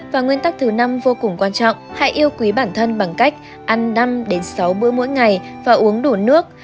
và nguyên tắc thứ năm vô cùng quan trọng hãy yêu quý bản thân bằng cách ăn năm sáu bữa mỗi ngày và uống đủ nước